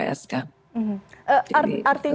artinya saat ini